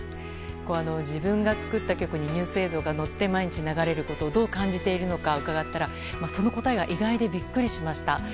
自分が作った曲にニュース映像が乗って毎日流れることをどう感じているのか伺ったら、その答えが意外でビックリしました。